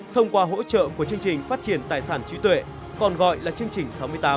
thông qua hỗ trợ của chương trình phát triển tài sản trí tuệ còn gọi là chương trình sáu mươi tám